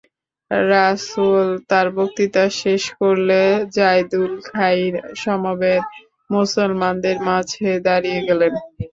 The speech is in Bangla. রাসুল তার বক্তৃতা শেষ করলে যাইদুল খাইর সমবেত মুসলমানদের মাঝে দাঁড়িয়ে গেলেন।